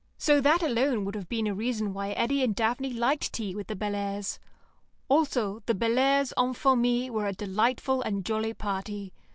So that alone would have been a reason why Daphne and Eddy liked tea with the Bellairs'. Also, the Bellairs' en famille were a delightful and jolly party.